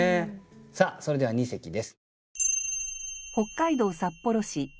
さあそれでは二席です。